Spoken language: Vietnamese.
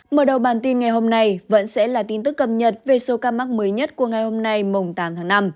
mở đầu bản tin ngày hôm nay vẫn sẽ là tin tức cập nhật về số ca mắc mới nhất của ngày hôm nay mùng tám tháng năm